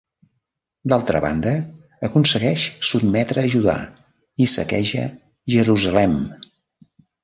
D'altra banda, aconsegueix sotmetre a Judà i saqueja Jerusalem.